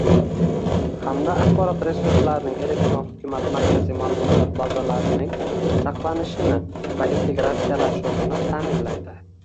hamda axborot resurslarining, elektron hukumat markaziy ma’lumotlar bazalarining saqlanishini va integratsiyalashuvini ta’minlaydi.